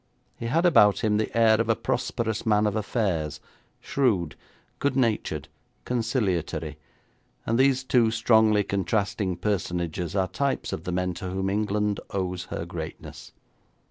He had about him the air of a prosperous man of affairs, shrewd, good natured, conciliatory, and these two strongly contrasting personages are types of the men to whom England owes her greatness.